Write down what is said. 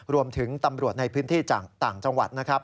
รวมถึงตำรวจในพื้นที่ต่างจังหวัดนะครับ